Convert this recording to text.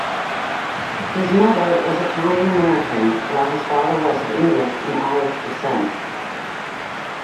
His mother was Italian American, while his father was of English and Irish descent.